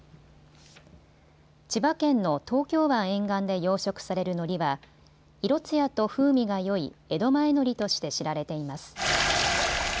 千葉県の東京湾沿岸で養殖されるのりは色つやと風味がよい江戸前海苔として知られています。